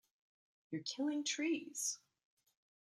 You're killing trees!